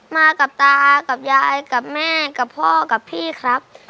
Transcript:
มากับตากับยายกับแม่กับพ่อกับพี่ครับ